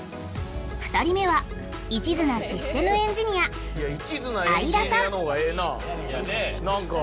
２人目は一途なシステムエンジニア相田さん